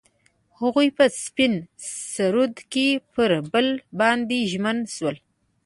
هغوی په سپین سرود کې پر بل باندې ژمن شول.